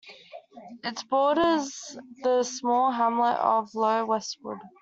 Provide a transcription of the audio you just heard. It borders the small hamlet of Low Westwood.